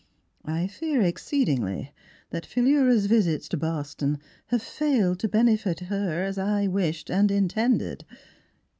I fear ex ceedingly that Philura's visits to Boston have failed to bene 52 Miss Philura fit her as I wished and in tended."